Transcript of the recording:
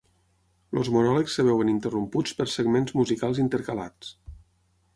Els monòlegs es veuen interromputs per segments musicals intercalats.